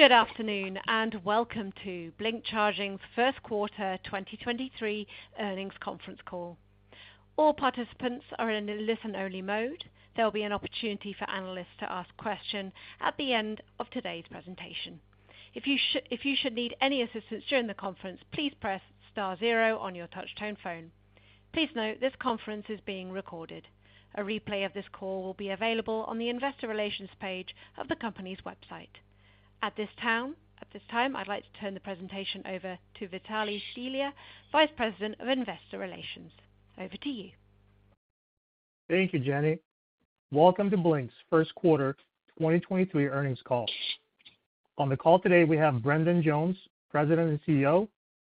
Good afternoon, and welcome to Blink Charging's Q1 2023 Earnings Conference all. All participants are in a listen-only mode. There'll be an opportunity for analysts to ask question at the end of today's presentation. If you should need any assistance during the conference, please press star zero on your touch-tone phone. Please note this conference is being recorded. A replay of this call will be available on the investor relations page of the company's website. At this time, I'd like to turn the presentation over to Vitalie Stelea, Vice President of Investor Relations. Over to you. Thank you, Jenny. Welcome to Blink's Q1 2023 Earnings Call. On the call today, we have Brendan Jones, President and CEO,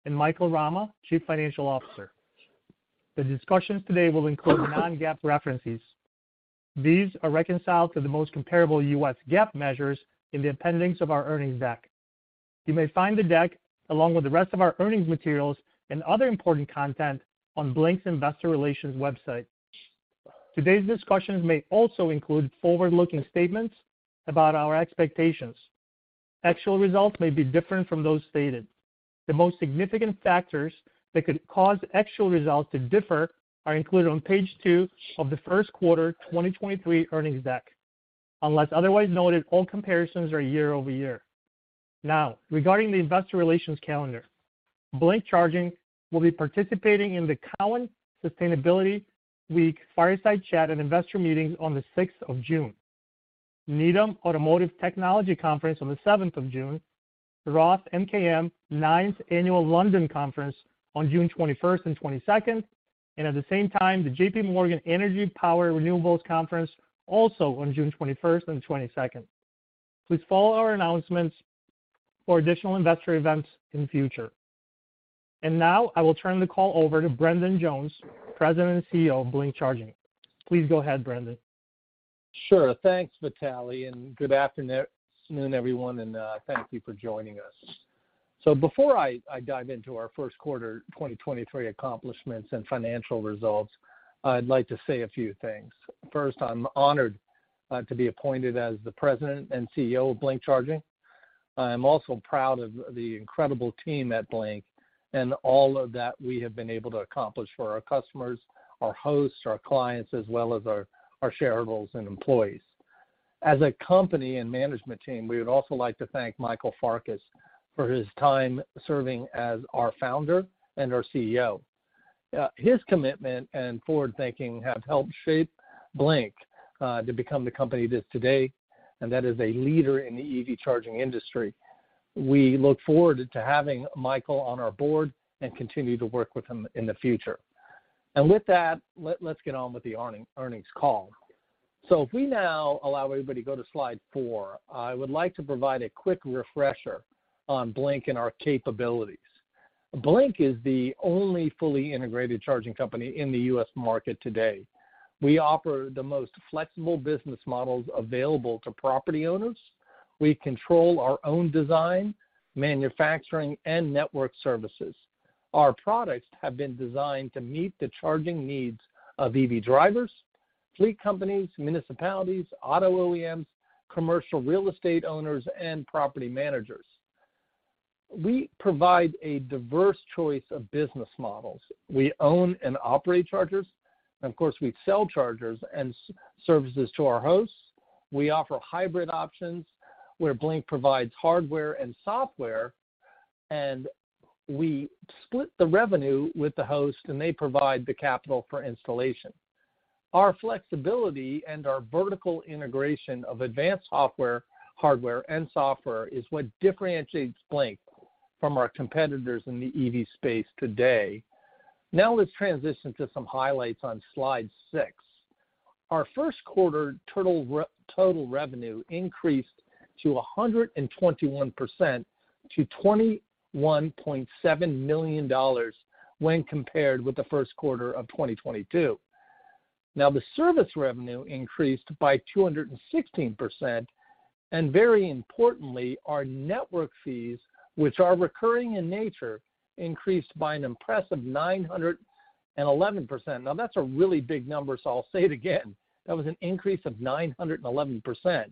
and Michael Rama, Chief Financial Officer. The discussions today will include non-GAAP references. These are reconciled to the most comparable US GAAP measures in the appendix of our earnings deck. You may find the deck, along with the rest of our earnings materials and other important content on Blink's investor relations website. Today's discussions may also include forward-looking statements about our expectations. Actual results may be different from those stated. The most significant factors that could cause actual results to differ are included on page two of the Q1 2023 earnings deck. Unless otherwise noted, all comparisons are year-over-year. Now, regarding the investor relations calendar, Blink Charging will be participating in the Cowen Sustainability Week Fireside Chat & Investor Meetings on the 6th of June, Needham Automotive Technology Conference on the 7th of June, the ROTH MKM Ninth Annual London Conference on June 21st and 22nd, and at the same time, the JPMorgan Energy, Power, Renewables Conference also on June 21st and 22nd. Please follow our announcements for additional investor events in future. Now I will turn the call over to Brendan Jones, President and CEO of Blink Charging. Please go ahead, Brendan. Sure. Thanks, Vitali, and good afternoon, everyone, and thank you for joining us. Before I dive into our Q1 2023 accomplishments and financial results, I'd like to say a few things. First, I'm honored to be appointed as the President and CEO of Blink Charging. I'm also proud of the incredible team at Blink and all of that we have been able to accomplish for our customers, our hosts, our clients, as well as our shareholders and employees. As a company and management team, we would also like to thank Michael Farkas for his time serving as our Founder and our CEO. His commitment and forward thinking have helped shape Blink to become the company it is today, and that is a leader in the EV charging industry. We look forward to having Michael on our board and continue to work with him in the future. Let's get on with the earnings call. If we now allow everybody to go to slide 4, I would like to provide a quick refresher on Blink and our capabilities. Blink is the only fully integrated charging company in the U.S. market today. We offer the most flexible business models available to property owners. We control our own design, manufacturing, and network services. Our products have been designed to meet the charging needs of EV drivers, fleet companies, municipalities, auto OEMs, commercial real estate owners, and property managers. We provide a diverse choice of business models. We own and operate chargers. Of course, we sell chargers and services to our hosts. We offer hybrid options where Blink provides hardware and software, and we split the revenue with the host, and they provide the capital for installation. Our flexibility and our vertical integration of advanced hardware and software is what differentiates Blink from our competitors in the EV space today. Let's transition to some highlights on Slide 6. Our Q1 total revenue increased 121% to $21.7 million when compared with the Q1 of 2022. The service revenue increased by 216%, and very importantly, our network fees, which are recurring in nature, increased by an impressive 911%. That's a really big number, so I'll say it again. That was an increase of 911%,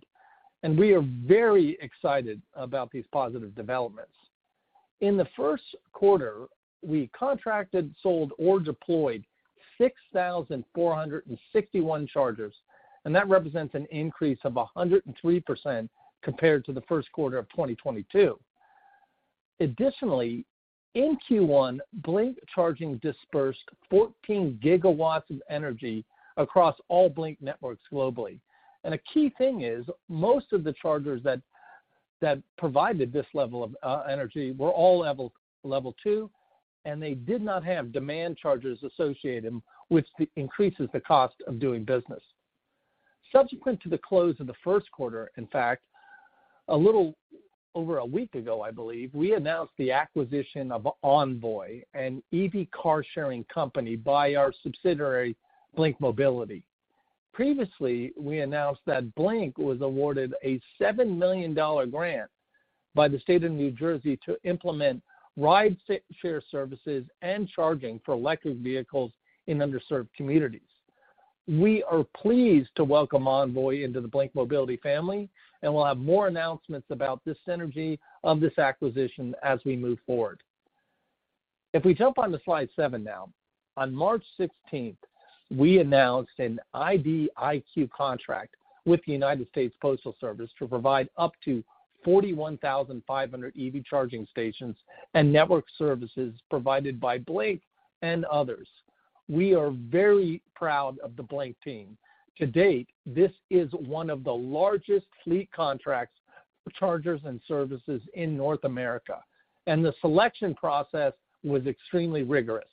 and we are very excited about these positive developments. In the Q1, we contracted, sold, or deployed 6,461 chargers. That represents an increase of 103% compared to the Q1 of 2022. Additionally, in Q1, Blink Charging dispersed 14 GW of energy across all Blink networks globally. A key thing is most of the chargers that provided this level of energy were all Level 2, and they did not have demand charges associated, which increases the cost of doing business. Subsequent to the close of the Q1, in fact, a little over a week ago, I believe, we announced the acquisition of Envoy, an EV car sharing company by our subsidiary, Blink Mobility. Previously, we announced that Blink was awarded a $7 million grant by the state of New Jersey to implement ride-share services and charging for electric vehicles in underserved communities. We are pleased to welcome Envoy into the Blink Mobility family. We'll have more announcements about the synergy of this acquisition as we move forward. If we jump on to slide 7 now, on March 16th, we announced an IDIQ contract with the United States Postal Service to provide up to 41,500 EV charging stations and network services provided by Blink and others. We are very proud of the Blink team. To date, this is one of the largest fleet contracts for chargers and services in North America. The selection process was extremely rigorous.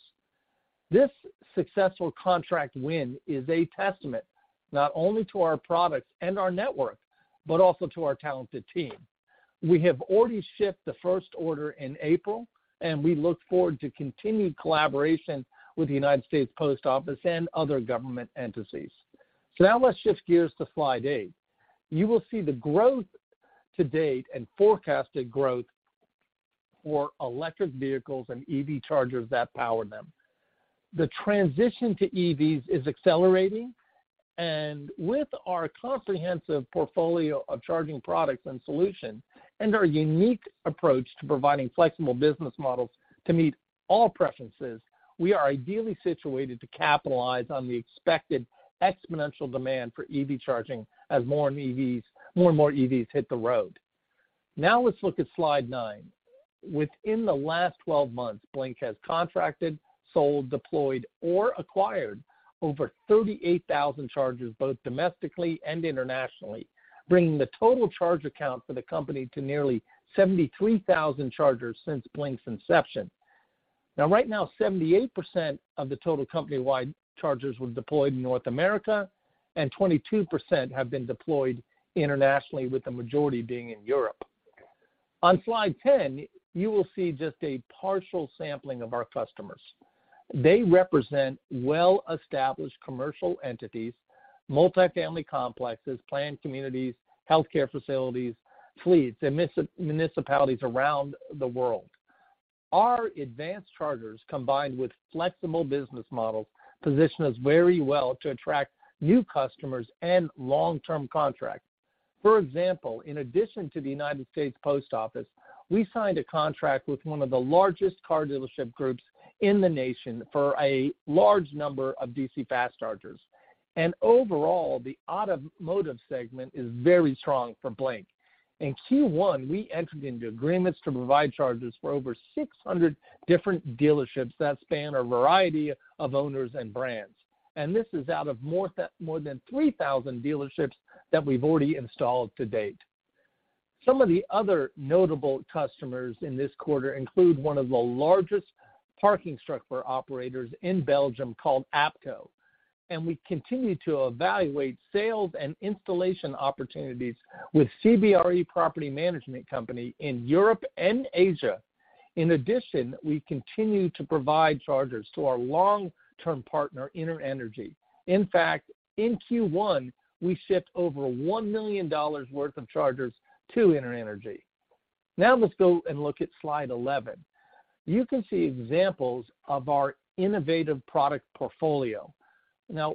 This successful contract win is a testament not only to our products and our network, but also to our talented team. We have already shipped the first order in April, we look forward to continued collaboration with the United States Post Office and other government entities. Now let's shift gears to slide 8. You will see the growth to date and forecasted growth for electric vehicles and EV chargers that power them. The transition to EVs is accelerating, and with our comprehensive portfolio of charging products and solutions and our unique approach to providing flexible business models to meet all preferences, we are ideally situated to capitalize on the expected exponential demand for EV charging as more and more EVs hit the road. Now let's look at slide 9. Within the last 12 months, Blink has contracted, sold, deployed, or acquired over 38,000 chargers, both domestically and internationally, bringing the total charge account for the company to nearly 73,000 chargers since Blink's inception. Right now, 78% of the total company-wide chargers were deployed in North America, 22% have been deployed internationally, with the majority being in Europe. On slide 10, you will see just a partial sampling of our customers. They represent well-established commercial entities, multifamily complexes, planned communities, healthcare facilities, fleets, and municipalities around the world. Our advanced chargers, combined with flexible business models, position us very well to attract new customers and long-term contracts. For example, in addition to the United States Postal Service, we signed a contract with one of the largest car dealership groups in the nation for a large number of DC fast chargers. Overall, the automotive segment is very strong for Blink. In Q1, we entered into agreements to provide chargers for over 600 different dealerships that span a variety of owners and brands. This is out of more than 3,000 dealerships that we've already installed to date. Some of the other notable customers in this quarter include one of the largest parking structure operators in Belgium called APCOA. We continue to evaluate sales and installation opportunities with CBRE property management company in Europe and Asia. In addition, we continue to provide chargers to our long-term partner, Interenergy. In fact, in Q1, we shipped over $1 million worth of chargers to Interenergy. Let's go and look at slide 11. You can see examples of our innovative product portfolio.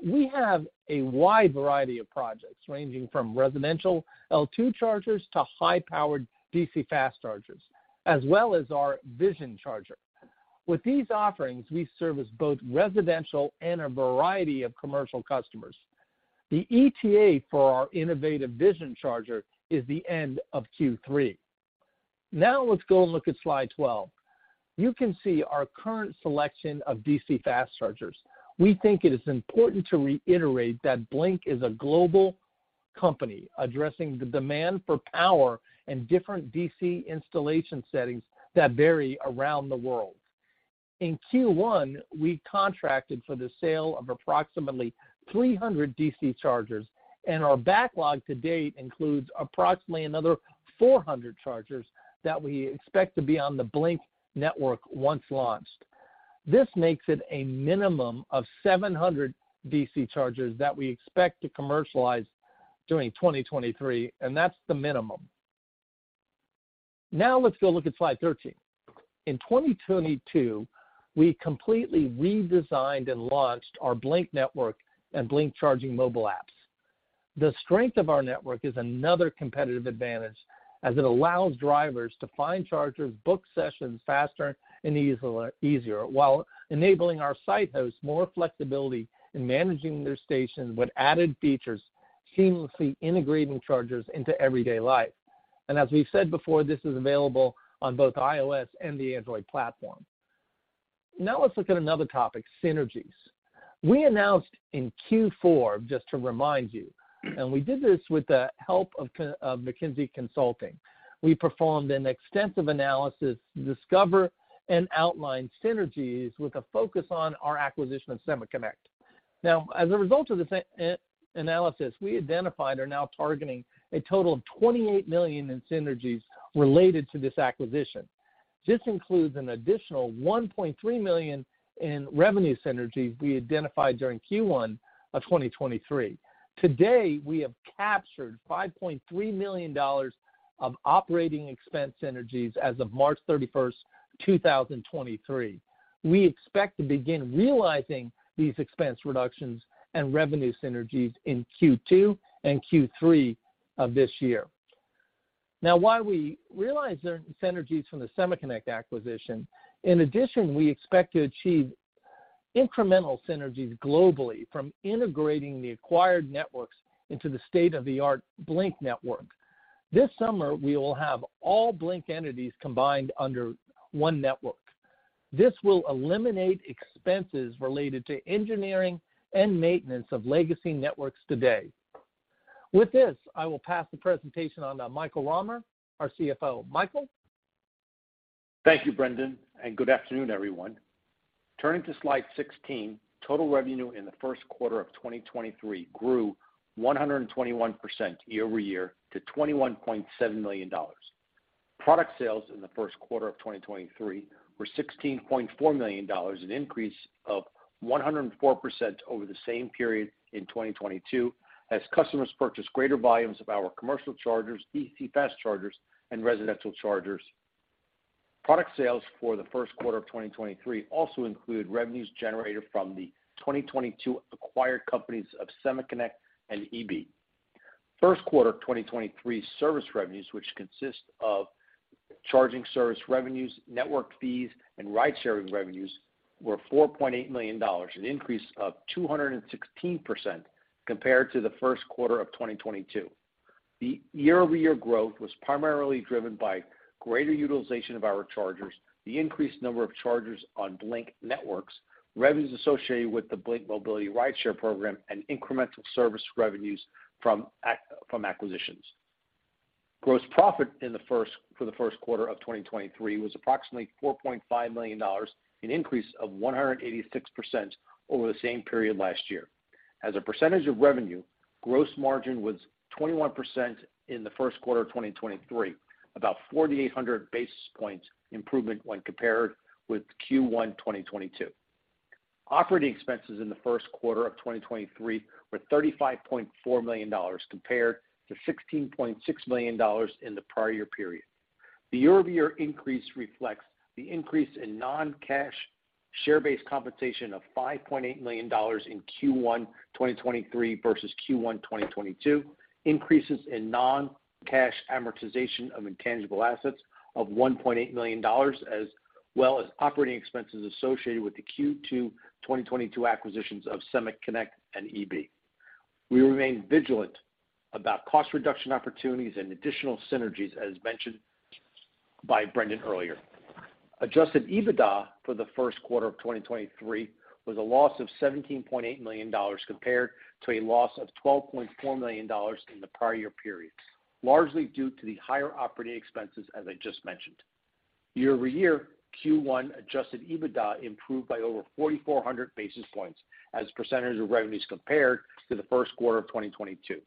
We have a wide variety of products, ranging from residential L2 chargers to high-powered DC fast chargers, as well as our Vision charger. With these offerings, we service both residential and a variety of commercial customers. The ETA for our innovative Vision charger is the end of Q3. Let's go and look at slide 12. You can see our current selection of DC fast chargers. We think it is important to reiterate that Blink is a global company addressing the demand for power in different DC installation settings that vary around the world. In Q1, we contracted for the sale of approximately 300 DC chargers, and our backlog to date includes approximately another 400 chargers that we expect to be on the Blink Network once launched. This makes it a minimum of 700 DC chargers that we expect to commercialize during 2023, and that's the minimum. Let's go look at slide 13. In 2022, we completely redesigned and launched our Blink Network and Blink Charging mobile apps. The strength of our network is another competitive advantage, as it allows drivers to find chargers, book sessions faster and easier, while enabling our site hosts more flexibility in managing their stations with added features, seamlessly integrating chargers into everyday life. As we've said before, this is available on both iOS and the Android platform. Let's look at another topic: synergies. We announced in Q4, just to remind you, we did this with the help of McKinsey & Company. We performed an extensive analysis to discover and outline synergies with a focus on our acquisition of SemaConnect. As a result of this analysis, we identified are now targeting a total of $28 million in synergies related to this acquisition. This includes an additional $1.3 million in revenue synergies we identified during Q1 of 2023. Today, we have captured $5.3 million of operating expense synergies as of March 31st, 2023. We expect to begin realizing these expense reductions and revenue synergies in Q2 and Q3 of this year. While we realize there are synergies from the SemaConnect acquisition, in addition, we expect to achieve incremental synergies globally from integrating the acquired networks into the state-of-the-art Blink Network. This summer, we will have all Blink entities combined under one network. This will eliminate expenses related to engineering and maintenance of legacy networks today. With this, I will pass the presentation on to Michael Rama, our CFO. Michael? Thank you, Brendan, and good afternoon, everyone. Turning to slide 16, total revenue in the Q1 of 2023 grew 121% year-over-year to $21.7 million. Product sales in the Q1 of 2023 were $16.4 million, an increase of 104% over the same period in 2022 as customers purchased greater volumes of our commercial chargers, DC fast chargers, and residential chargers. Product sales for the Q1 of 2023 also include revenues generated from the 2022 acquired companies of SemaConnect and EB. Q1 of 2023 service revenues, which consist of charging service revenues, network fees, and ridesharing revenues, were $4.8 million, an increase of 216% compared to the Q1 of 2022. The year-over-year growth was primarily driven by greater utilization of our chargers, the increased number of chargers on Blink Network, revenues associated with the Blink Mobility Rideshare program, and incremental service revenues from acquisitions. Gross profit for the Q1 of 2023 was approximately $4.5 million, an increase of 186% over the same period last year. As a percentage of revenue, gross margin was 21% in the Q1 of 2023, about 4,800 basis points improvement when compared with Q1 2022. Operating expenses in the Q1 of 2023 were $35.4 million compared to $16.6 million in the prior year period. The year-over-year increase reflects the increase in non-cash share-based compensation of $5.8 million in Q1 2023 versus Q1 2022, increases in non-cash amortization of intangible assets of $1.8 million, as well as operating expenses associated with the Q2 2022 acquisitions of SemaConnect and EB. We remain vigilant about cost reduction opportunities and additional synergies, as mentioned by Brendan earlier. Adjusted EBITDA for the Q1 of 2023 was a loss of $17.8 million compared to a loss of $12.4 million in the prior year period, largely due to the higher operating expenses, as I just mentioned. Year-over-year, Q1 Adjusted EBITDA improved by over 4,400 basis points as a percentage of revenues compared to the Q1 of 2022.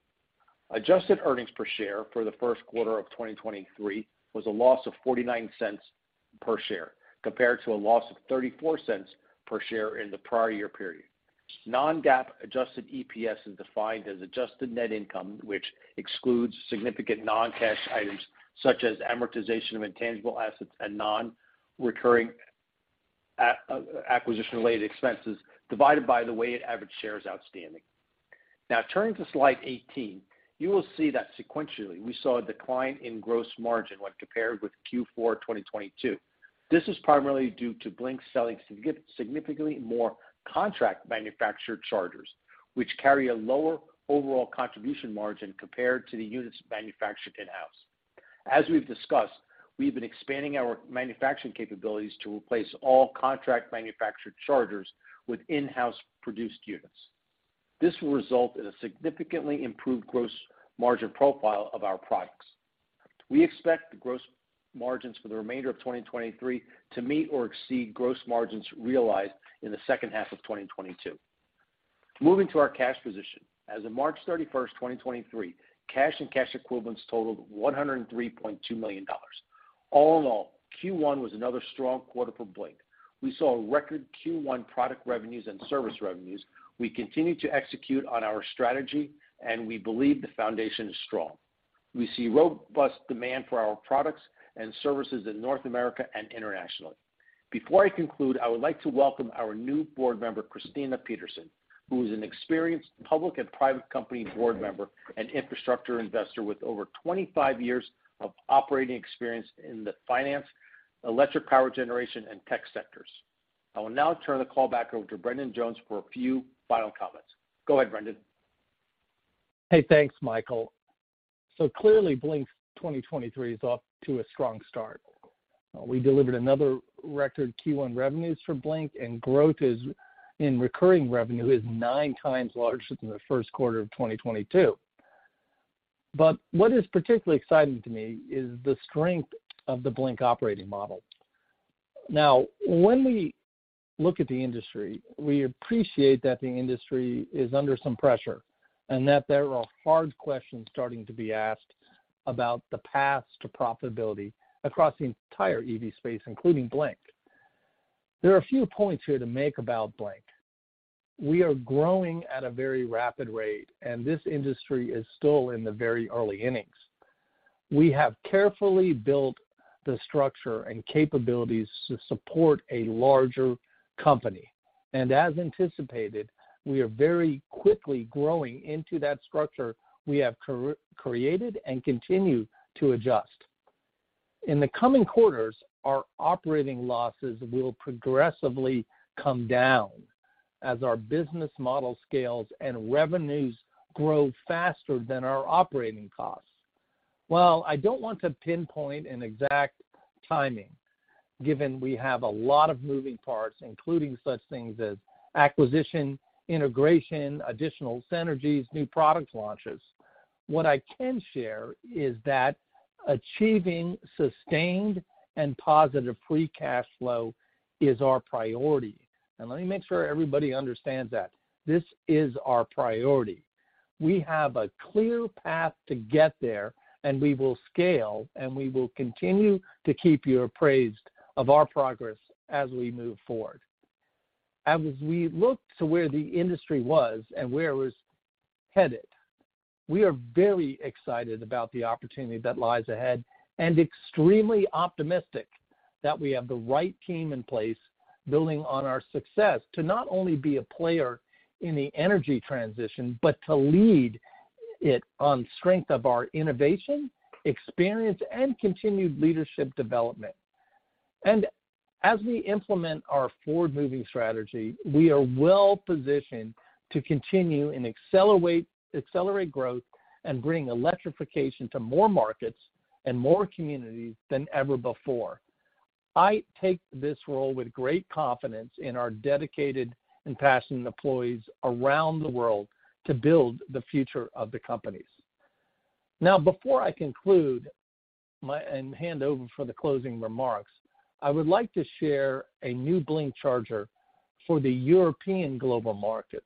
Adjusted earnings per share for the Q1 of 2023 was a loss of $0.49 per share, compared to a loss of $0.34 per share in the prior year period. non-GAAP Adjusted EPS is defined as adjusted net income, which excludes significant non-cash items such as amortization of intangible assets and non-recurring acquisition-related expenses, divided by the weighted average shares outstanding. Turning to slide 18, you will see that sequentially, we saw a decline in gross margin when compared with Q4 2022. This is primarily due to Blink selling significantly more contract manufactured chargers, which carry a lower overall contribution margin compared to the units manufactured in-house. As we've discussed, we've been expanding our manufacturing capabilities to replace all contract manufactured chargers with in-house produced units. This will result in a significantly improved gross margin profile of our products. We expect the gross margins for the remainder of 2023 to meet or exceed gross margins realized in the second half of 2022. Moving to our cash position. As of March 31, 2023, cash and cash equivalents totaled $103.2 million. All in all, Q1 was another strong quarter for Blink. We saw record Q1 product revenues and service revenues. We continue to execute on our strategy, and we believe the foundation is strong. We see robust demand for our products and services in North America and internationally. Before I conclude, I would like to welcome our new board member, Christina Peterson, who is an experienced public and private company board member and infrastructure investor with over 25 years of operating experience in the finance, electric power generation, and tech sectors. I will now turn the call back over to Brendan Jones for a few final comments. Go ahead, Brendan. Hey, thanks, Michael. Clearly, Blink's 2023 is off to a strong start. We delivered another record Q1 revenues for Blink, and growth is in recurring revenue is nine times larger than the Q1 of 2022. What is particularly exciting to me is the strength of the Blink operating model. When we look at the industry, we appreciate that the industry is under some pressure and that there are hard questions starting to be asked about the path to profitability across the entire EV space, including Blink. There are a few points here to make about Blink. We are growing at a very rapid rate, and this industry is still in the very early innings. We have carefully built the structure and capabilities to support a larger company. As anticipated, we are very quickly growing into that structure we have created and continue to adjust. In the coming quarters, our operating losses will progressively come down as our business model scales and revenues grow faster than our operating costs. While I don't want to pinpoint an exact timing, given we have a lot of moving parts, including such things as acquisition, integration, additional synergies, new product launches, what I can share is that achieving sustained and positive free cash flow is our priority. Let me make sure everybody understands that. This is our priority. We have a clear path to get there, and we will scale, and we will continue to keep you appraised of our progress as we move forward. As we look to where the industry was and where it was headed, we are very excited about the opportunity that lies ahead and extremely optimistic that we have the right team in place building on our success to not only be a player in the energy transition, but to lead it on strength of our innovation, experience, and continued leadership development. As we implement our forward moving strategy, we are well positioned to continue and accelerate growth and bring electrification to more markets and more communities than ever before. I take this role with great confidence in our dedicated and passionate employees around the world to build the future of the companies. Before I conclude and hand over for the closing remarks, I would like to share a new Blink charger for the European global markets.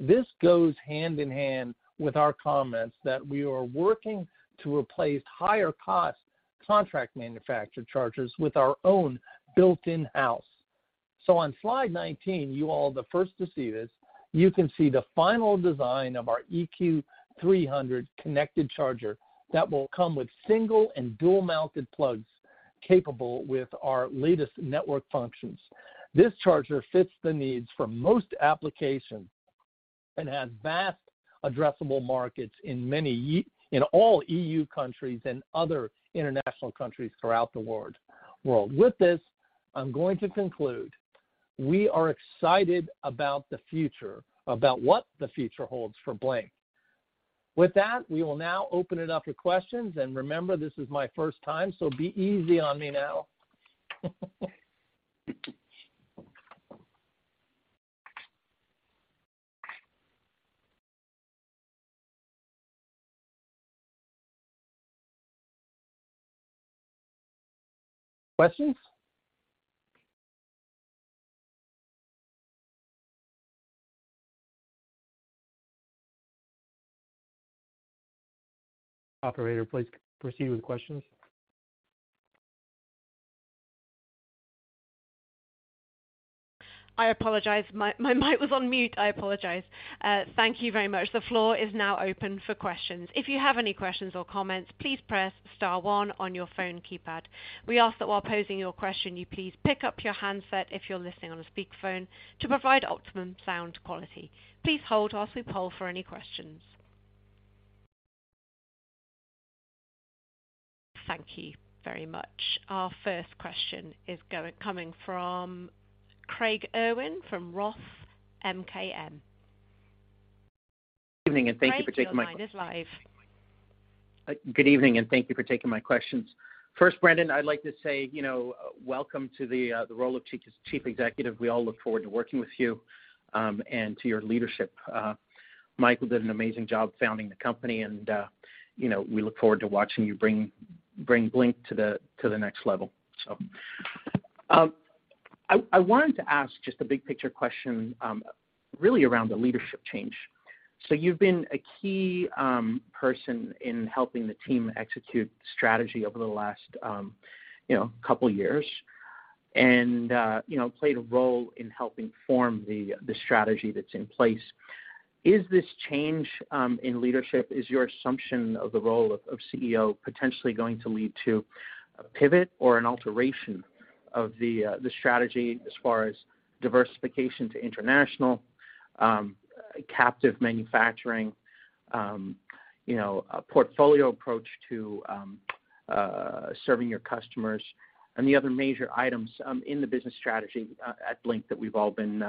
This goes hand in hand with our comments that we are working to replace higher cost contract manufactured chargers with our own built-in-house. On slide 19, you all are the first to see this. You can see the final design of our EQ 300 connected charger that will come with single and dual-mounted plugs capable with our latest network functions. This charger fits the needs for most applications and has vast addressable markets in all EU countries and other international countries throughout the world. With this, I'm going to conclude. We are excited about the future, about what the future holds for Blink. With that, we will now open it up for questions. Remember, this is my first time, so be easy on me now. Questions? Operator, please proceed with questions. I apologize. My mic was on mute. I apologize. Thank you very much. The floor is now open for questions. If you have any questions or comments, please press star one on your phone keypad. We ask that while posing your question, you please pick up your handset if you're listening on a speakerphone to provide optimum sound quality. Please hold while we poll for any questions. Thank you very much. Our first question is coming from Craig Irwin from ROTH MKM. Evening, and thank you for taking. Craig, your line is live. Good evening. Thank you for taking my questions. First, Brendan, I'd like to say, you know, welcome to the role of Chief Executive. We all look forward to working with you and to your leadership. Michael did an amazing job founding the company and, you know, we look forward to watching you bring Blink to the next level, so. I wanted to ask just a big picture question really around the leadership change. You've been a key person in helping the team execute strategy over the last, you know, couple years and, you know, played a role in helping form the strategy that's in place. Is this change, in leadership, is your assumption of the role of CEO potentially going to lead to a pivot or an alteration of the strategy as far as diversification to international, captive manufacturing, you know, a portfolio approach to, serving your customers and the other major items, in the business strategy at Blink that we've all been,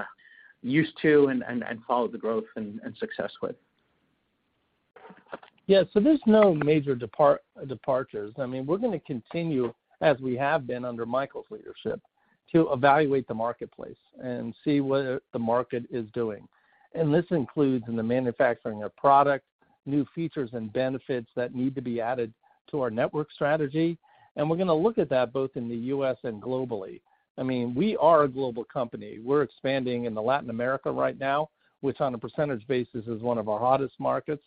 used to and followed the growth and success with? There's no major departures. I mean, we're gonna continue as we have been under Michael's leadership to evaluate the marketplace and see what the market is doing. This includes in the manufacturing of product, new features and benefits that need to be added to our network strategy. We're gonna look at that both in the U.S. and globally. I mean, we are a global company. We're expanding in Latin America right now, which on a percentage basis is one of our hottest markets.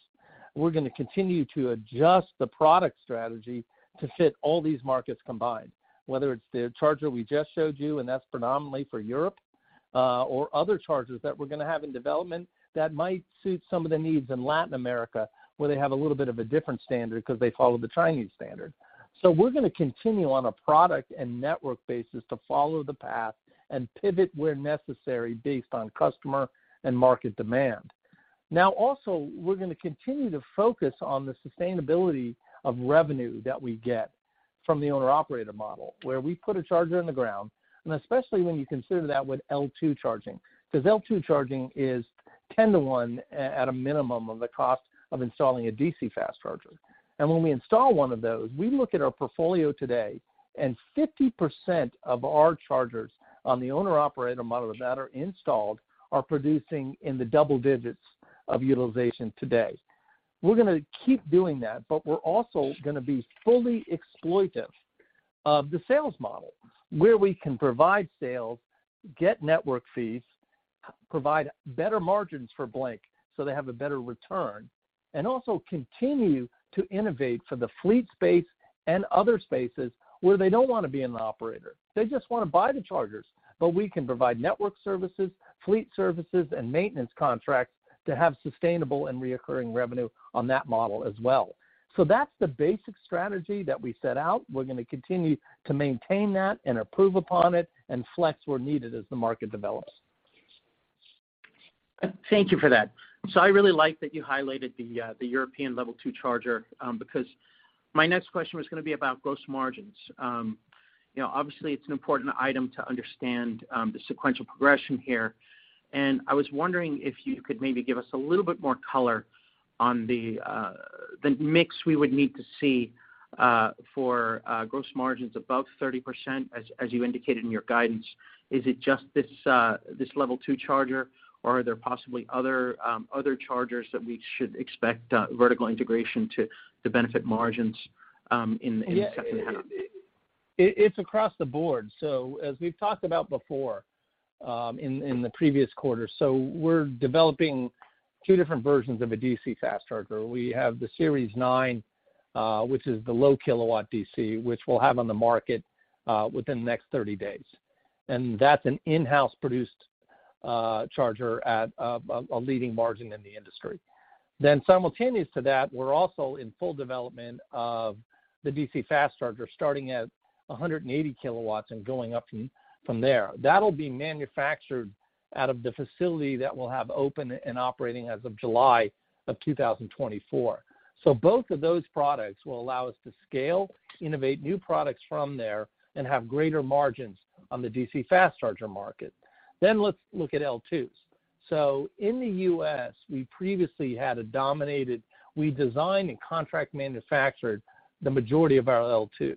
We're gonna continue to adjust the product strategy to fit all these markets combined, whether it's the charger we just showed you, and that's predominantly for Europe, or other chargers that we're gonna have in development that might suit some of the needs in Latin America, where they have a little bit of a different standard because they follow the Chinese standard. We're gonna continue on a product and network basis to follow the path and pivot where necessary based on customer and market demand. Also, we're gonna continue to focus on the sustainability of revenue that we get from the owner operator model, where we put a charger in the ground, and especially when you consider that with L2 charging. 'Cause L2 charging is 10 to 1 at a minimum of the cost of installing a DC fast charger. When we install one of those, we look at our portfolio today, and 50% of our chargers on the owner operator model that are installed are producing in the double digits of utilization today. We're gonna keep doing that, we're also gonna be fully exploitive of the sales model, where we can provide sales, get network fees, provide better margins for Blink so they have a better return, and also continue to innovate for the fleet space and other spaces where they don't wanna be an operator. They just wanna buy the chargers. We can provide network services, fleet services, and maintenance contracts to have sustainable and recurring revenue on that model as well. That's the basic strategy that we set out. We're gonna continue to maintain that and improve upon it and flex where needed as the market develops. Thank you for that. I really like that you highlighted the European Level 2 charger, because my next question was gonna be about gross margins. You know, obviously, it's an important item to understand the sequential progression here. I was wondering if you could maybe give us a little bit more color on the mix we would need to see for gross margins above 30% as you indicated in your guidance. Is it just this Level 2 charger, or are there possibly other chargers that we should expect vertical integration to benefit margins in the second half? Yeah. It's across the board. As we've talked about before, in the previous quarter, we're developing 2 different versions of a DC fast charger. We have the Series 9, which is the low kilowatt DC, which we'll have on the market within the next 30 days. That's an in-house produced charger at a leading margin in the industry. Simultaneous to that, we're also in full development of the DC fast charger starting at 180 kilowatts and going up from there. That'll be manufactured out of the facility that we'll have open and operating as of July 2024. Both of those products will allow us to scale, innovate new products from there, and have greater margins on the DC fast charger market. Let's look at L2s. In the U.S., we designed and contract manufactured the majority of our L2s.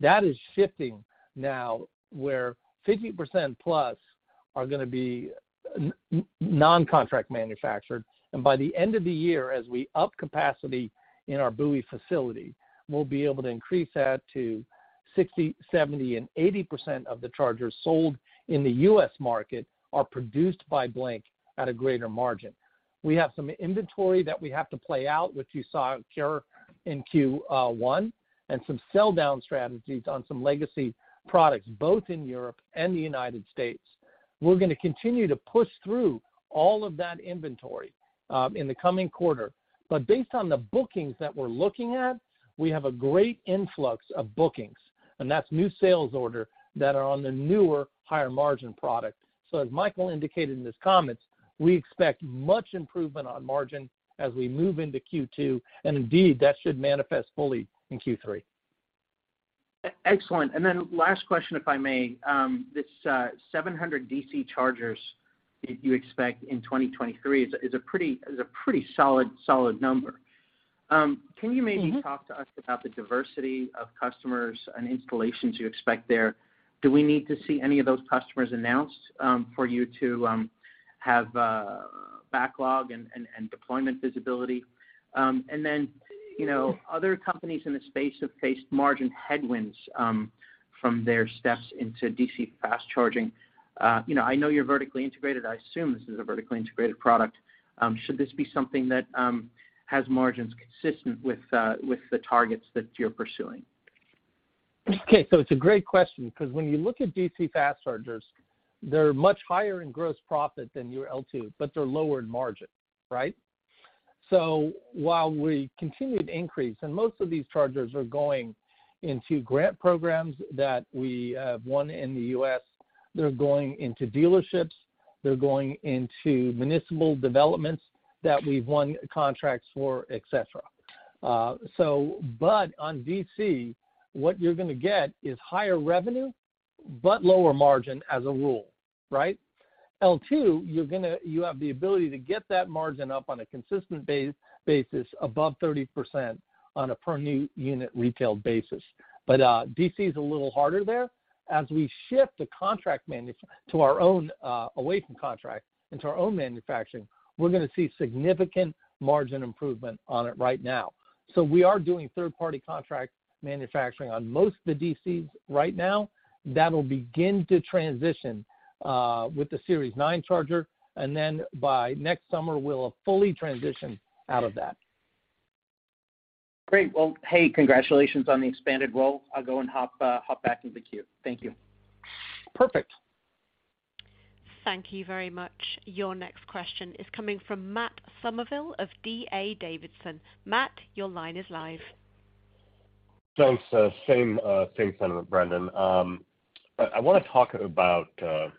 That is shifting now where 50% plus are gonna be non-contract manufactured. By the end of the year, as we up capacity in our Bowie facility, we'll be able to increase that to 60%, 70%, and 80% of the chargers sold in the U.S. market are produced by Blink at a greater margin. We have some inventory that we have to play out, which you saw here in Q1, and some sell down strategies on some legacy products, both in Europe and the United States. We're gonna continue to push through all of that inventory in the coming quarter. Based on the bookings that we're looking at, we have a great influx of bookings, and that's new sales order that are on the newer higher margin product. As Michael indicated in his comments, we expect much improvement on margin as we move into Q2, and indeed, that should manifest fully in Q3. Excellent. Last question, if I may. This 700 DC chargers that you expect in 2023 is a pretty solid number. Can you maybe? Mm-hmm. talk to us about the diversity of customers and installations you expect there? Do we need to see any of those customers announced for you to have backlog and deployment visibility? Then, you know, other companies in the space have faced margin headwinds from their steps into DC fast charging. You know, I know you're vertically integrated. I assume this is a vertically integrated product. Should this be something that has margins consistent with the targets that you're pursuing? It's a great question 'cause when you look at DC fast chargers, they're much higher in gross profit than your L2, but they're lower in margin, right? While we continue to increase, and most of these chargers are going into grant programs that we have won in the U.S. They're going into dealerships. They're going into municipal developments that we've won contracts for, et cetera. On DC, what you're gonna get is higher revenue but lower margin as a rule, right? L2, you have the ability to get that margin up on a consistent basis above 30% on a per new unit retail basis. DC is a little harder there. As we shift the contract manufacturing to our own, away from contract into our own manufacturing, we're gonna see significant margin improvement on it right now. We are doing third-party contract manufacturing on most of the DCs right now. That'll begin to transition with the Series 9 charger, and then by next summer, we'll have fully transitioned out of that. Great. Well, hey, congratulations on the expanded role. I'll go and hop hop back in the queue. Thank you. Perfect. Thank you very much. Your next question is coming from Matt Summerville of D.A. Davidson. Matt, your line is live. Thanks. Same sentiment, Brendan. I wanna talk about,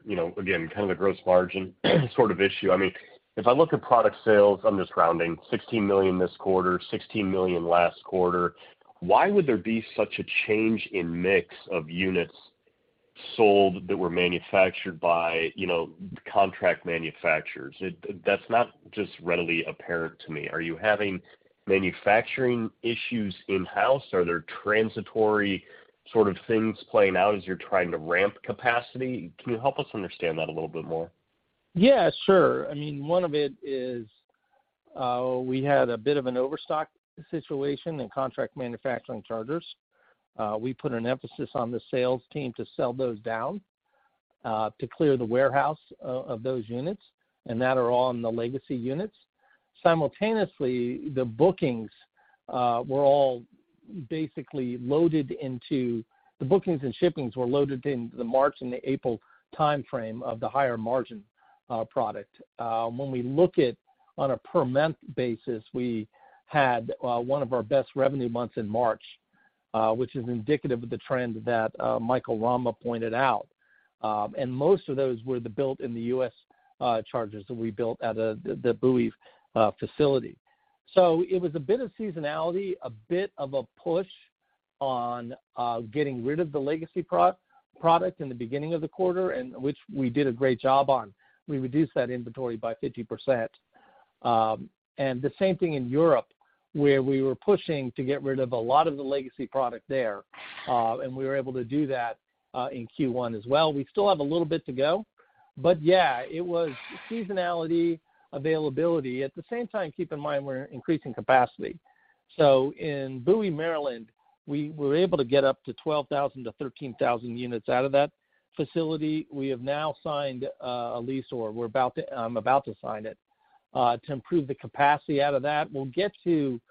you know, again, kind of the gross margin sort of issue. I mean, if I look at product sales, I'm just rounding, $16 million this quarter, $16 million last quarter. Why would there be such a change in mix of units sold that were manufactured by, you know, contract manufacturers? That's not just readily apparent to me. Are you having manufacturing issues in-house? Are there transitory sort of things playing out as you're trying to ramp capacity? Can you help us understand that a little bit more? Yeah, sure. I mean, one of it is, we had a bit of an overstock situation in contract manufacturing chargers. We put an emphasis on the sales team to sell those down, to clear the warehouse of those units, and that are on the legacy units. Simultaneously, the bookings were all basically loaded into... The bookings and shippings were loaded in the March and the April timeframe of the higher margin product. When we look at on a per month basis, we had one of our best revenue months in March, which is indicative of the trend that Michael Rama pointed out. Most of those were the built in the U.S. chargers that we built at the Bowie facility. It was a bit of seasonality, a bit of a push on getting rid of the legacy pro-product in the beginning of the quarter, and which we did a great job on. We reduced that inventory by 50%. The same thing in Europe, where we were pushing to get rid of a lot of the legacy product there, and we were able to do that in Q1 as well. We still have a little bit to go, but yeah, it was seasonality, availability. At the same time, keep in mind we're increasing capacity. In Bowie, Maryland, we were able to get up to 12,000-13,000 units out of that facility. We have now signed a lease or we're about to sign it to improve the capacity out of that. We'll get to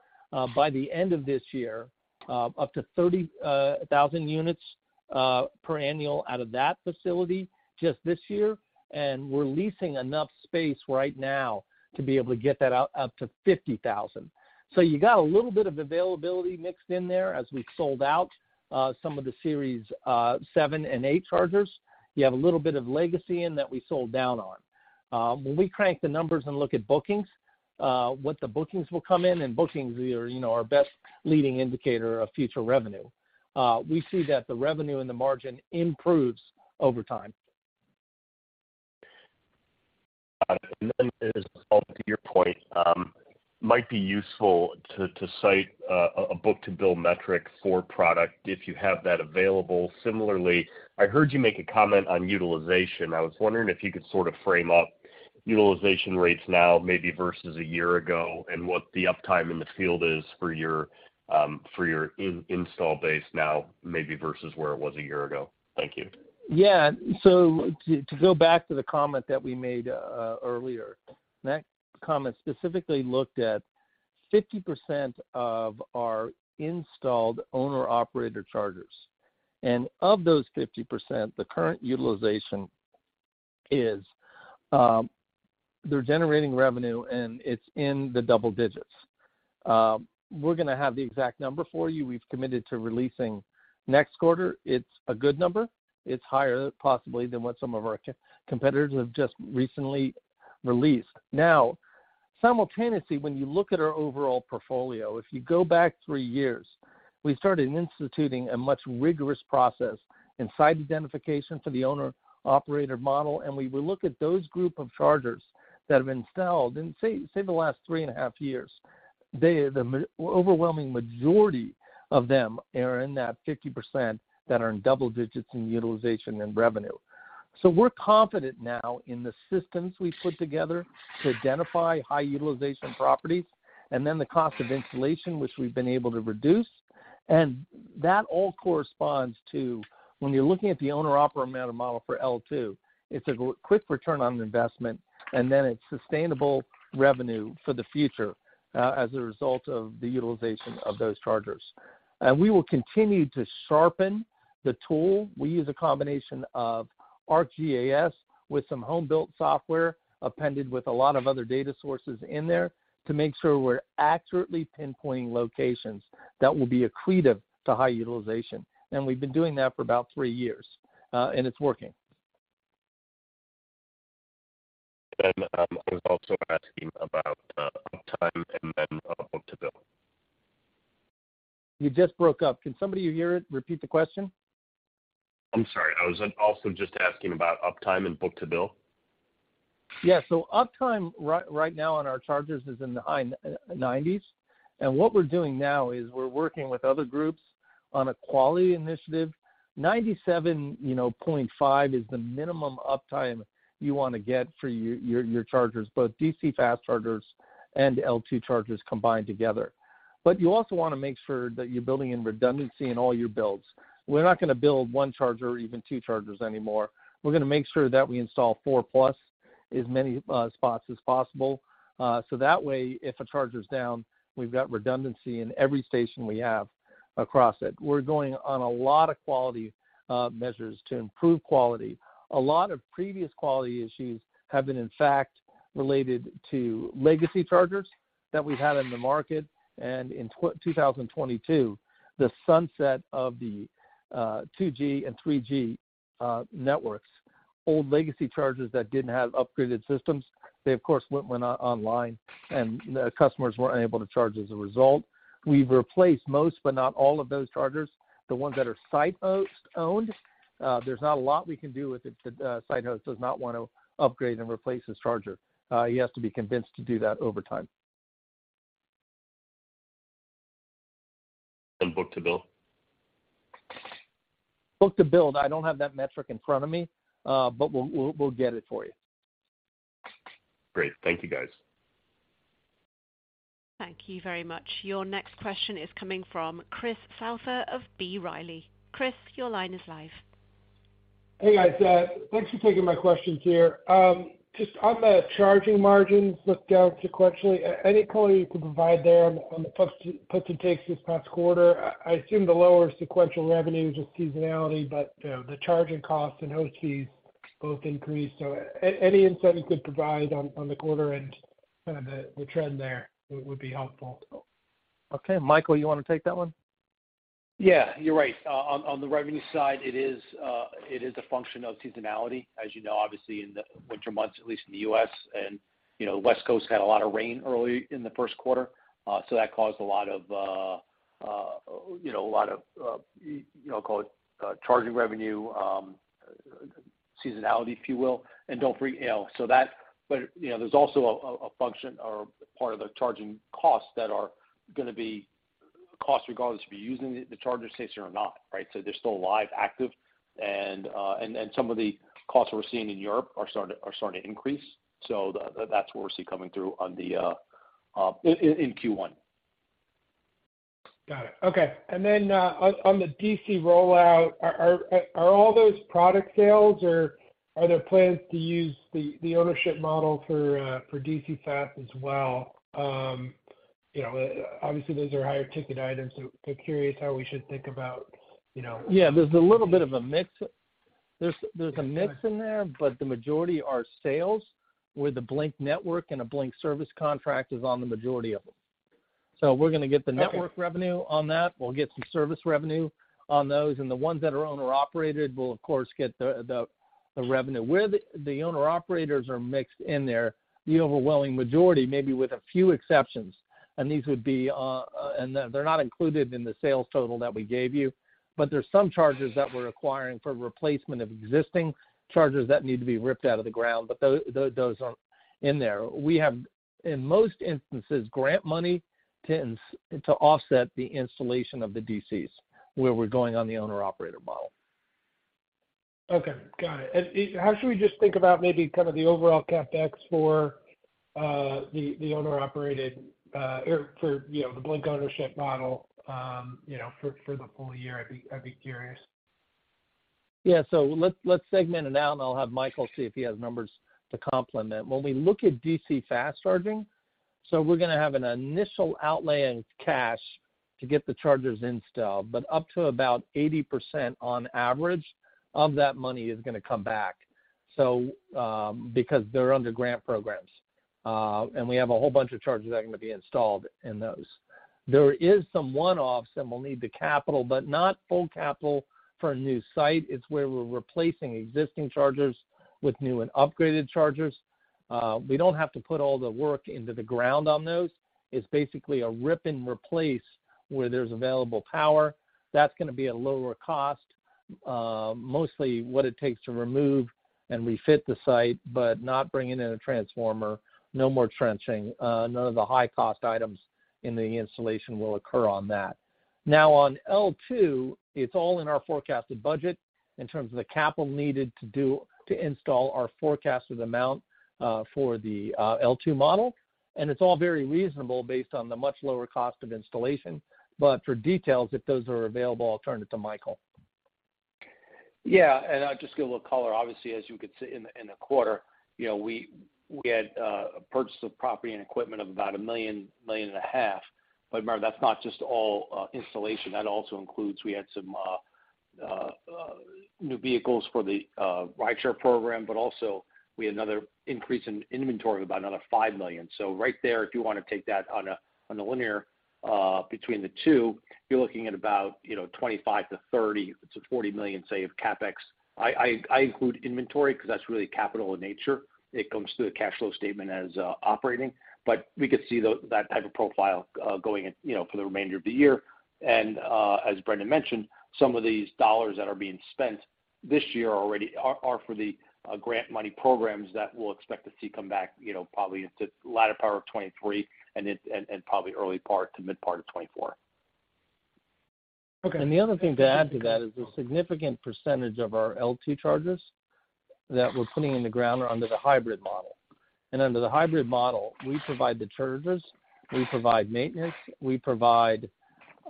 by the end of this year, up to 30,000 units per annual out of that facility just this year, and we're leasing enough space right now to be able to get that out up to 50,000. You got a little bit of availability mixed in there as we sold out some of the Series 7 and 8 chargers. You have a little bit of legacy in that we sold down on. When we crank the numbers and look at bookings, what the bookings will come in, bookings are, you know, are our best leading indicator of future revenue, we see that the revenue and the margin improves over time. As to your point, might be useful to cite a book-to-bill metric for product if you have that available. Similarly, I heard you make a comment on utilization. I was wondering if you could sort of frame up utilization rates now maybe versus a year ago and what the uptime in the field is for your install base now maybe versus where it was a year ago. Thank you. Yeah. To go back to the comment that we made earlier, that comment specifically looked at 50% of our installed owner operator chargers. Of those 50%, the current utilization is, they're generating revenue, and it's in the double digits. We're gonna have the exact number for you. We've committed to releasing next quarter. It's a good number. It's higher possibly than what some of our competitors have just recently released. Now, simultaneously, when you look at our overall portfolio, if you go back three years, we started instituting a much rigorous process in site identification for the owner operator model, and we will look at those group of chargers that have been installed in say the last three and a half years. The overwhelming majority of them are in that 50% that are in double digits in utilization and revenue. We're confident now in the systems we've put together to identify high utilization properties and then the cost of installation, which we've been able to reduce. That all corresponds to when you're looking at the owner operator model for L2, it's a quick return on investment, and then it's sustainable revenue for the future as a result of the utilization of those chargers. We will continue to sharpen the tool. We use a combination of RGAS with some home-built software appended with a lot of other data sources in there to make sure we're accurately pinpointing locations that will be accretive to high utilization. We've been doing that for about 3 years, and it's working. I was also asking about uptime and then book-to-bill. You just broke up. Can somebody who hear it repeat the question? I'm sorry. I was also just asking about uptime and book-to-bill. Uptime right now on our chargers is in the high 90s. What we're doing now is we're working with other groups on a quality initiative, 97.5 is the minimum uptime you wanna get for your chargers, both DC fast chargers and LT chargers combined together. You also wanna make sure that you're building in redundancy in all your builds. We're not gonna build one charger or even two chargers anymore. We're gonna make sure that we install four plus as many spots as possible. That way, if a charger's down, we've got redundancy in every station we have across it. We're going on a lot of quality measures to improve quality. A lot of previous quality issues have been, in fact, related to legacy chargers that we had in the market. In 2022, the sunset of the 2G and 3G networks, old legacy chargers that didn't have upgraded systems, they of course went online. The customers weren't able to charge as a result. We've replaced most, but not all of those chargers. The ones that are site-owned, there's not a lot we can do if the site host does not want to upgrade and replace his charger. He has to be convinced to do that over time. Book-to-bill? Book-to-bill, I don't have that metric in front of me, but we'll get it for you. Great. Thank you, guys. Thank you very much. Your next question is coming from Chris Souther of B. Riley. Chris, your line is live. Hey, guys. Thanks for taking my questions here. Just on the charging margins looked down sequentially, any color you could provide there on the puts and takes this past quarter? I assume the lower sequential revenue is just seasonality, but, you know, the charging costs and host fees both increased. Any insight you could provide on the quarter and kind of the trend there would be helpful? Okay. Michael, you wanna take that one? Yeah, you're right. On the revenue side, it is a function of seasonality. As you know, obviously in the winter months, at least in the U.S. and, you know, West Coast had a lot of rain early in the Q1, so that caused a lot of, you know, a lot of, you know, call it, charging revenue, seasonality, if you will. You know, so that. You know, there's also a function or part of the charging costs that are gonna be costs regardless if you're using the charger station or not, right? They're still live, active and some of the costs we're seeing in Europe are starting to increase. That's what we're seeing coming through on the, in Q1. Got it. Okay. On the D.C. rollout, are all those product sales, or are there plans to use the ownership model for D.C. fast as well? You know, obviously those are higher ticket items, so kind of curious how we should think about, you know. There's a little bit of a mix. There's a mix in there, but the majority are sales with a Blink Network and a Blink service contract is on the majority of them. We're gonna get the network revenue on that. We'll get some service revenue on those. The ones that are owner operated will of course get the revenue. The owner-operators are mixed in there, the overwhelming majority, maybe with a few exceptions, and these would be. They're not included in the sales total that we gave you, but there's some charges that we're acquiring for replacement of existing charges that need to be ripped out of the ground, but those aren't in there. We have, in most instances, grant money to offset the installation of the DCs, where we're going on the owner-operator model. Okay, got it. How should we just think about maybe kind of the overall CapEx for the owner operated or for, you know, the Blink ownership model, you know, for the full year? I'd be curious. Let's segment it out, and I'll have Michael see if he has numbers to complement. When we look at DC fast charging, we're gonna have an initial outlay in cash to get the chargers installed, but up to about 80% on average of that money is gonna come back because they're under grant programs. We have a whole bunch of chargers that are gonna be installed in those. There is some one-offs that will need the capital, but not full capital for a new site. It's where we're replacing existing chargers with new and upgraded chargers. We don't have to put all the work into the ground on those. It's basically a rip and replace where there's available power. That's gonna be a lower cost, mostly what it takes to remove and refit the site, but not bringing in a transformer, no more trenching. None of the high cost items in the installation will occur on that. Now on L2, it's all in our forecasted budget in terms of the capital needed to install our forecasted amount, for the L2 model, and it's all very reasonable based on the much lower cost of installation. For details, if those are available, I'll turn it to Michael. Yeah. I'll just give a little color. Obviously, as you could see in the quarter, you know, we had a purchase of property and equipment of about $1 million and a half. Remember, that's not just all installation. That also includes we had some new vehicles for the rideshare program, but also we had another increase in inventory of about another $5 million. Right there, if you wanna take that on a linear between the two, you're looking at about, you know, $25 million-$30 million-$40 million, say, of CapEx. I include inventory 'cause that's really capital in nature. It comes to the cash flow statement as operating. We could see that type of profile going in, you know, for the remainder of the year. As Brendan mentioned, some of these dollars that are being spent this year already are for the grant money programs that we'll expect to see come back, you know, probably into latter part of 2023 and probably early part to mid part of 2024. Okay. The other thing to add to that is a significant percentage of our LT chargers that we're putting in the ground are under the hybrid model. Under the hybrid model, we provide the chargers, we provide maintenance, we provide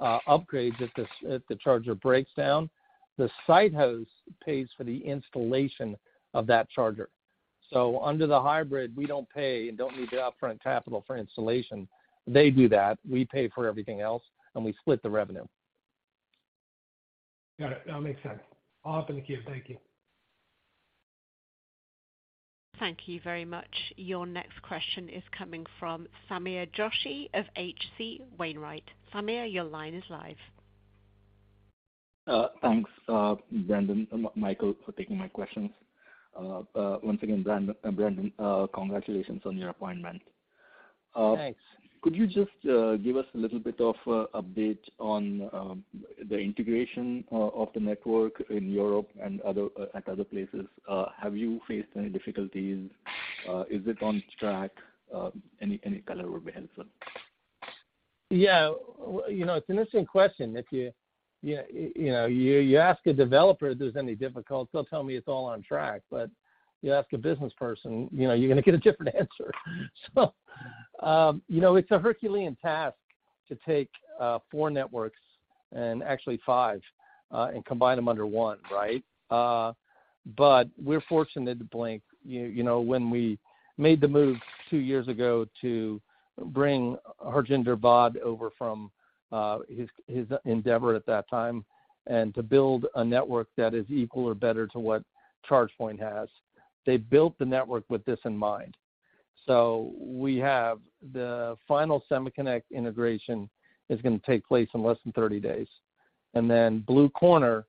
upgrades if the charger breaks down. The site host pays for the installation of that charger. Under the hybrid, we don't pay and don't need the upfront capital for installation. They do that, we pay for everything else, and we split the revenue. Got it. That makes sense. All up in the queue. Thank you. Thank you very much. Your next question is coming from Sameer Joshi of H.C. Wainwright. Sameer, your line is live. Thanks, Brendan, Michael, for taking my questions. Once again, Brandon, congratulations on your appointment. Thanks. Could you just give us a little bit of update on the integration of the network in Europe and other, at other places? Have you faced any difficulties? Is it on track? Any color would be helpful. Yeah. You know, it's an interesting question. If you know, ask a developer if there's any difficulties, they'll tell me it's all on track. You ask a business person, you know, you're gonna get a different answer. You know, it's a Herculean task to take four networks and actually five, and combine them under one, right? We're fortunate at Blink. You know, when we made the move two years ago to bring Harjinder Bhade over from his endeavor at that time and to build a network that is equal or better to what ChargePoint has, they built the network with this in mind. We have the final SemaConnect integration is going to take place in less than 30 days. Blue Corner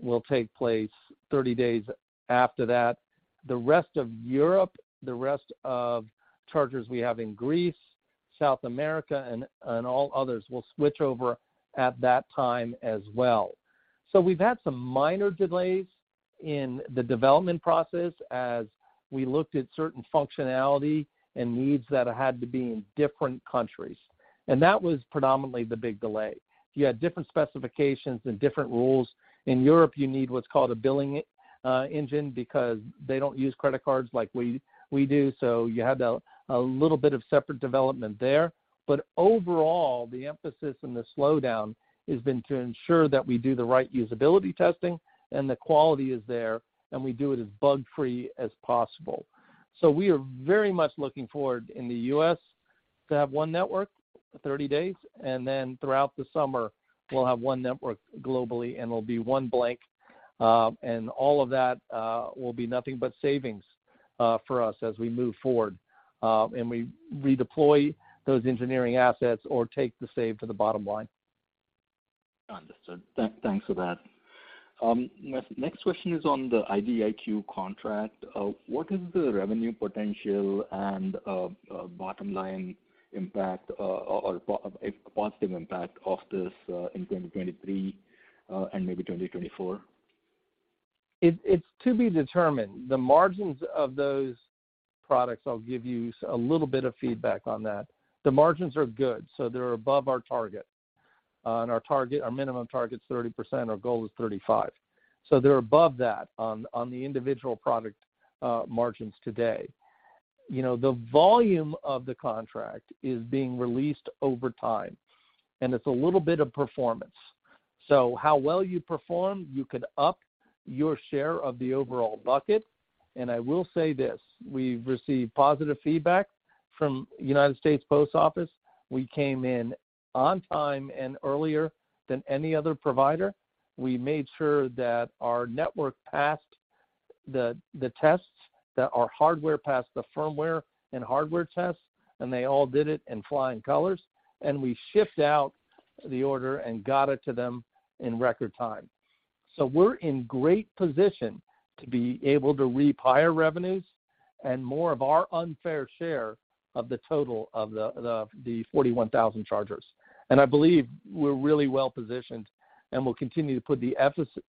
will take place 30 days after that. The rest of Europe, the rest of chargers we have in Greece, South America and all others will switch over at that time as well. We've had some minor delays in the development process as we looked at certain functionality and needs that had to be in different countries. That was predominantly the big delay. You had different specifications and different rules. In Europe, you need what's called a billing engine because they don't use credit cards like we do. You had a little bit of separate development there. Overall, the emphasis and the slowdown has been to ensure that we do the right usability testing and the quality is there, and we do it as bug-free as possible. We are very much looking forward in the U.S. to have one network, 30 days, and then throughout the summer we'll have one network globally, and it'll be one Blink. All of that will be nothing but savings for us as we move forward and we redeploy those engineering assets or take the save to the bottom line. Understood. Thanks for that. Next question is on the IDIQ contract. What is the revenue potential and bottom line impact or positive impact of this in 2023 and maybe 2024? It's to be determined. The margins of those products, I'll give you a little bit of feedback on that. The margins are good, so they're above our target. Our target, our minimum target's 30%, our goal is 35%. They're above that on the individual product margins today. You know, the volume of the contract is being released over time, and it's a little bit of performance. How well you perform, you could up your share of the overall bucket. I will say this: We've received positive feedback from United States Postal Service. We came in on time and earlier than any other provider. We made sure that our network passed the tests, that our hardware passed the firmware and hardware tests, and they all did it in flying colors. We shipped out the order and got it to them in record time. We're in great position to be able to reap higher revenues and more of our unfair share of the total of the 41,000 chargers. I believe we're really well positioned, and we'll continue to put the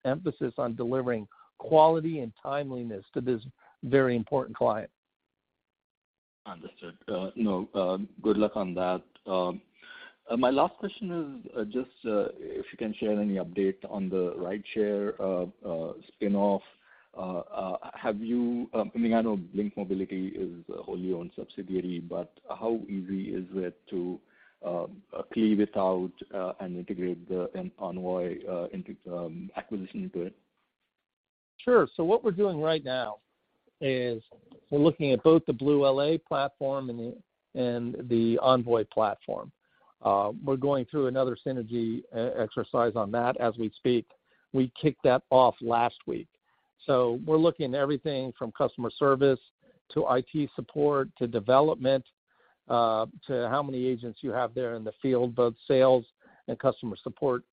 emphasis on delivering quality and timeliness to this very important client. Understood. you know, good luck on that. My last question is just, if you can share any update on the rideshare spin-off. I mean, I know Blink Mobility is a wholly owned subsidiary, but how easy is it to key without, and integrate the Envoy acquisition into it? Sure. What we're doing right now is we're looking at both the BlueLA platform and the Envoy platform. We're going through another synergy exercise on that as we speak. We kicked that off last week. We're looking at everything from customer service to IT support, to development, to how many agents you have there in the field, both sales and customer support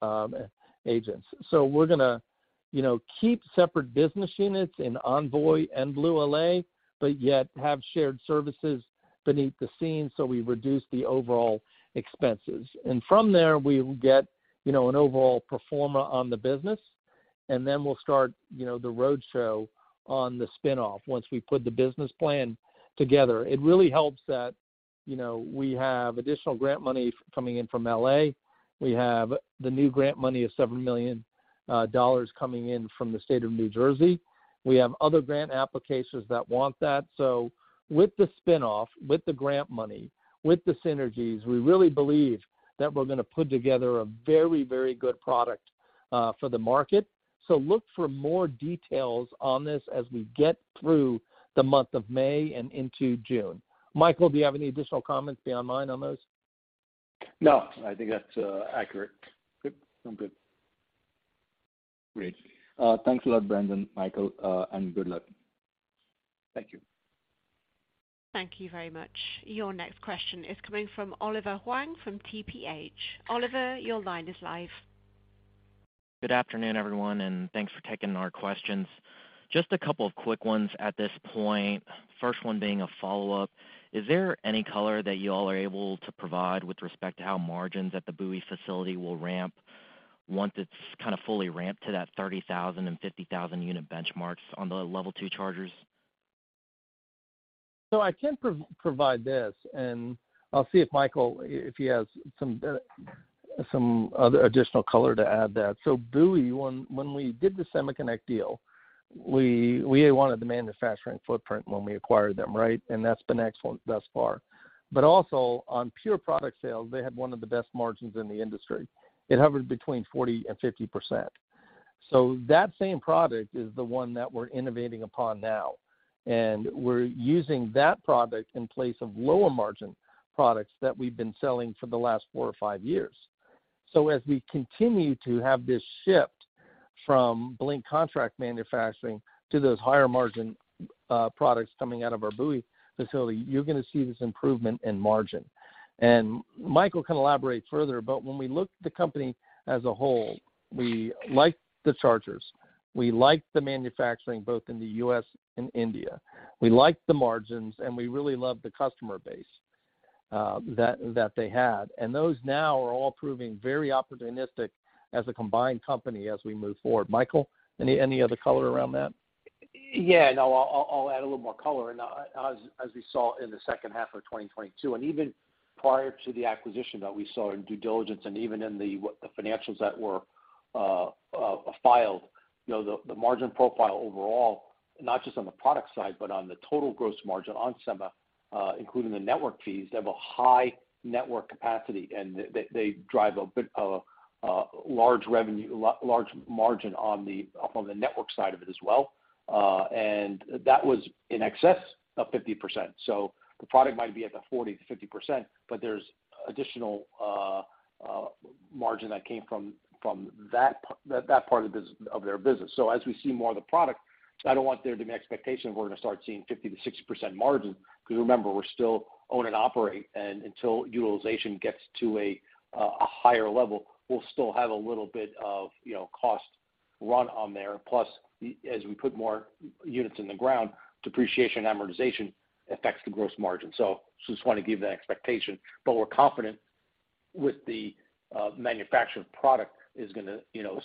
agents. We're gonna, you know, keep separate business units in Envoy and BlueLA, but yet have shared services beneath the scenes, so we reduce the overall expenses. From there we will get, you know, an overall performer on the business. We'll start, you know, the roadshow on the spin-off once we put the business plan together. It really helps that, you know, we have additional grant money coming in from L.A. We have the new grant money of $7 million coming in from the state of New Jersey. We have other grant applications that want that. With the spin-off, with the grant money, with the synergies, we really believe that we're gonna put together a very, very good product for the market. Look for more details on this as we get through the month of May and into June. Michael, do you have any additional comments beyond mine on those? I think that's accurate. Good. I'm good. Great. Thanks a lot, Brendan, Michael, and good luck. Thank you. Thank you very much. Your next question is coming from Oliver Huang from TPH&Co.. Oliver, your line is live. Good afternoon, everyone. Thanks for taking our questions. Just a couple of quick ones at this point. First one being a follow-up. Is there any color that y'all are able to provide with respect to how margins at the Bowie facility will ramp once it's kinda fully ramped to that 30,000 and 50,000 unit benchmarks on the Level 2 chargers? I can provide this, and I'll see if Michael if he has some other additional color to add that. Bowie, when we did the SemaConnect deal, we wanted the manufacturing footprint when we acquired them, right? Also, on pure product sales, they had one of the best margins in the industry. It hovered between 40% and 50%. That same product is the one that we're innovating upon now, and we're using that product in place of lower margin products that we've been selling for the last four or five years. As we continue to have this shift from Blink contract manufacturing to those higher margin products coming out of our Bowie facility, you're gonna see this improvement in margin. Michael can elaborate further, but when we look at the company as a whole, we like the chargers, we like the manufacturing, both in the US and India, we like the margins, and we really love the customer base, that they had. Those now are all proving very opportunistic as a combined company as we move forward. Michael, any other color around that? Yeah. No, I'll add a little more color. As we saw in the second half of 2022, and even prior to the acquisition that we saw in due diligence and even in the financials that were filed, you know, the margin profile overall, not just on the product side, but on the total gross margin on SemaConnect, including the network fees, they have a high network capacity and they drive a large revenue, large margin on the network side of it as well. That was in excess of 50%. The product might be at the 40%-50%, but there's additional margin that came from that part of their business. As we see more of the product, I don't want there to be an expectation we're gonna start seeing 50%-60% margin 'cause remember, we're still own and operate, and until utilization gets to a higher level, we'll still have a little bit of, you know, cost run on there. Plus, as we put more units in the ground, depreciation amortization affects the gross margin. Just wanna give that expectation. We're confident with the manufactured product is gonna, you know,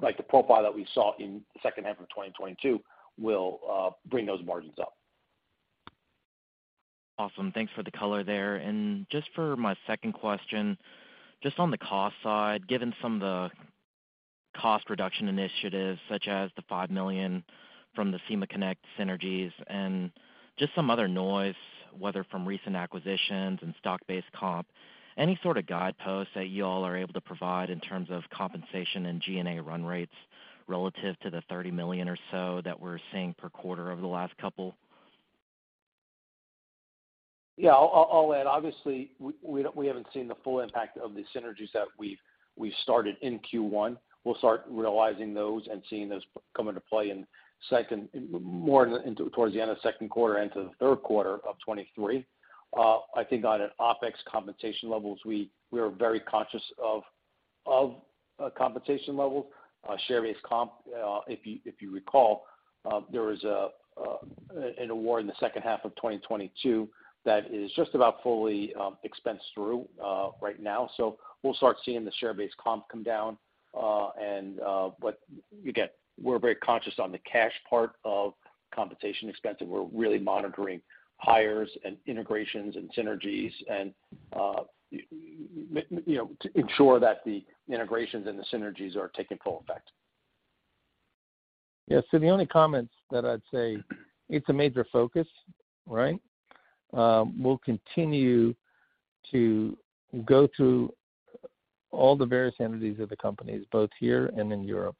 like the profile that we saw in the second half of 2022 will bring those margins up. Awesome. Thanks for the color there. Just for my second question, just on the cost side, given some of the cost reduction initiatives such as the $5 million from the SemaConnect synergies and just some other noise, whether from recent acquisitions and stock-based comp, any sort of guideposts that y'all are able to provide in terms of compensation and G&A run rates relative to the $30 million or so that we're seeing per quarter over the last couple? I'll add. Obviously, we haven't seen the full impact of the synergies that we've started in Q1. We'll start realizing those and seeing those come into play more in the towards the end of Q2 and to the Q3 of 2023. I think on an OpEx compensation levels, we are very conscious of compensation levels. Our share base comp, if you recall, there was an award in the second half of 2022 that is just about fully expensed through right now. We'll start seeing the share base comp come down. Again, we're very conscious on the cash part of compensation expense, and we're really monitoring hires and integrations and synergies and, you know, to ensure that the integrations and the synergies are taking full effect. Yeah. The only comments that I'd say, it's a major focus, right? We'll continue to go through all the various entities of the companies, both here and in Europe,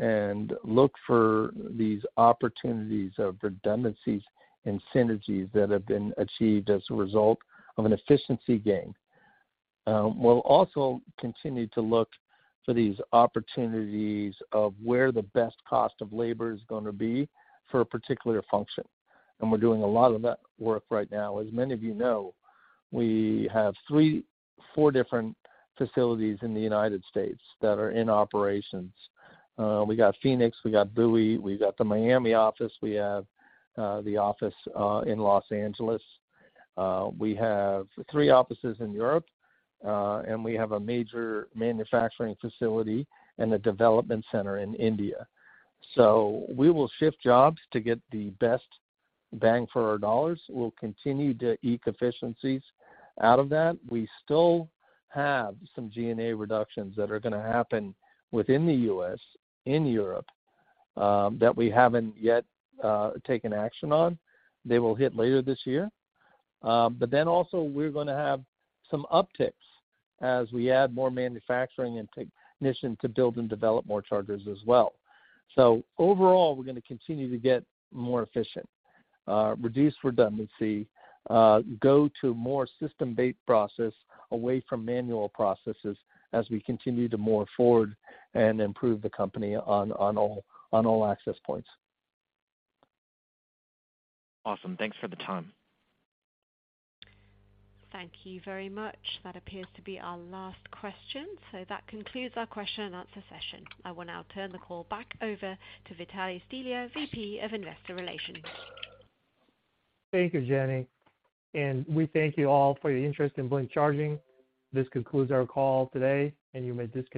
and look for these opportunities of redundancies and synergies that have been achieved as a result of an efficiency gain. We'll also continue to look for these opportunities of where the best cost of labor is gonna be for a particular function, and we're doing a lot of that work right now. As many of you know, we have 3, 4 different facilities in the United States that are in operations. We got Phoenix, we got Bowie, we've got the Miami office, we have the office in Los Angeles. We have 3 offices in Europe, and we have a major manufacturing facility and a development center in India. We will shift jobs to get the best bang for our dollars. We'll continue to eke efficiencies out of that. We still have some G&A reductions that are going to happen within the U.S., in Europe, that we haven't yet taken action on. They will hit later this year. We're going to have some upticks as we add more manufacturing and technician to build and develop more chargers as well. Overall, we're going to continue to get more efficient, reduce redundancy, go to more system-based process away from manual processes as we continue to move forward and improve the company on all access points. Awesome. Thanks for the time. Thank you very much. That appears to be our last question. That concludes our question and answer session. I will now turn the call back over to Vitalie Stelea, VP of Investor Relations. Thank you, Jenny. We thank you all for your interest in Blink Charging. This concludes our call today, and you may disconnect.